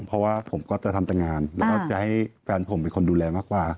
เพราะว่าผมก็จะทำแต่งานแล้วก็จะให้แฟนผมเป็นคนดูแลมากกว่า